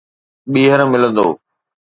ٻيهر ملندو